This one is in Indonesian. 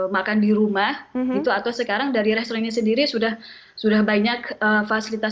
makan di rumah itu atau sekarang dari restorannya sendiri sudah sudah banyak fasilitas